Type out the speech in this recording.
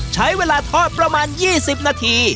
ใช้เวลาทอดประมาณ๒๐นาที